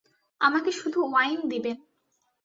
আমাকে শুধু ওয়াইন দিবেন।